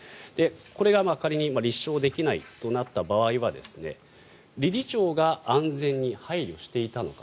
これが仮に立証できないとなった場合は理事長が安全に配慮していたのか。